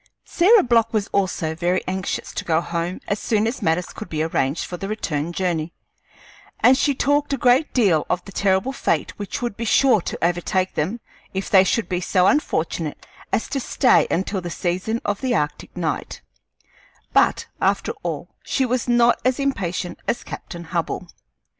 Sarah Block was also very anxious to go home as soon as matters could be arranged for the return journey, and she talked a great deal of the terrible fate which would be sure to overtake them if they should be so unfortunate as to stay until the season of the arctic night; but, after all, she was not as impatient as Captain Hubbell.